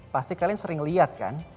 pasti kalian sering lihat kan